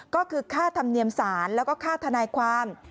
ก็คือค่าธรรมเนียมศาลแล้วก็ค่าทนายความ